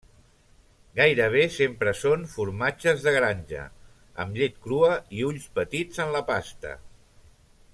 Gairebé sempre són formatges de granja, amb llet crua i ulls petits en la pasta.